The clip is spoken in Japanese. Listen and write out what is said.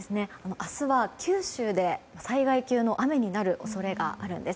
明日は、九州で災害級の雨になる恐れがあるんです。